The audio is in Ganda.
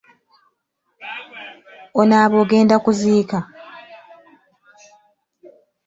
Onaaba ogenda kuziika?